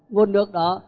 nguồn nước đó